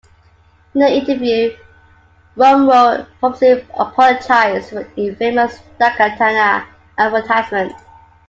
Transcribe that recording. In the interview, Romero publicly apologized for the infamous "Daikatana" advertisement.